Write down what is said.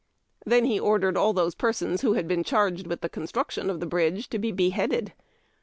Then lie ordered all those persons who had been charged with the construction of tlie bridge to be beheaded.